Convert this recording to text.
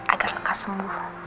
agar lekas sembuh